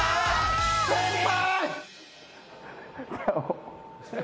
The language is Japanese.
先輩！